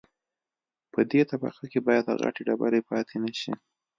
په دې طبقه کې باید غټې ډبرې پاتې نشي